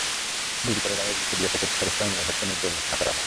দুই বিচারের রায়েই অভিযুক্ত বিএসএফের সদস্য অমিয় ঘোষকে নির্দোষ ঘোষণা করা হয়।